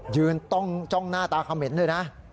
ยืนต้องจ้องหน้าตาเขม็นเลยนะ